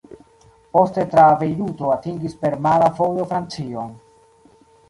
Poste tra Bejruto atingis per mara vojo Francion.